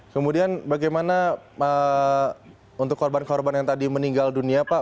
kemudian bagaimana untuk korban korban yang tadi meninggal dunia pak